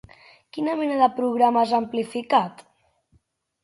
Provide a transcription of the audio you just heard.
Quina mena de programes han amplificat?